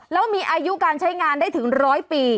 แล้วมีอายุการใช้งานได้ถึง๑๐๐ปี